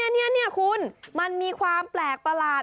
นี่คุณมันมีความแปลกประหลาด